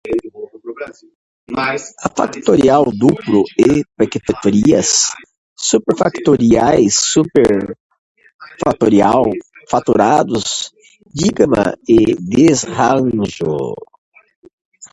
factorial duplo, hiperfactoriais, superfactoriais, superduperfatorial, fatorados, digama, desarranjo